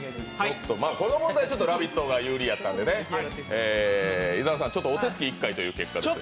この問題は「ラヴィット！」が有利だったんで、伊沢さん、お手つき１回です。